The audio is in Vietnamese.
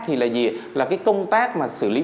thì là gì là cái công tác mà xử lý